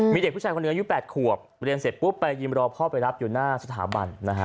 มีเด็กผู้ชายคนหนึ่งอายุ๘ขวบเรียนเสร็จปุ๊บไปยิมรอพ่อไปรับอยู่หน้าสถาบันนะฮะ